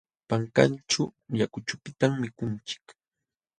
Pankanćhu yakuchupitam mikunchik.